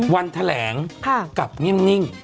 วันแถลงกลับนิ่ง